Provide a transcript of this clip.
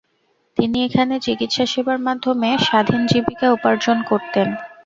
তিনি এখানে চিকিৎসা সেবার মাধ্যমে স্বাধীন জীবিকা উপার্জন করতেন।